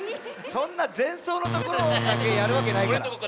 そんなぜんそうのところだけやるわけないから。